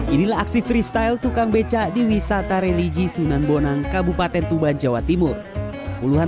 inilah aksi freestyle tukang beca di wisata religi sunan bonang kabupaten tuban jawa timur puluhan